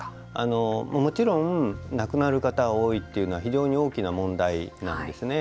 もちろん、亡くなる方多いというのは非常に大きな問題なんですね。